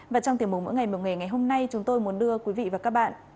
và trong tiềm mục mỗi ngày mở nghề ngày hôm nay chúng tôi muốn đưa quý vị và các bạn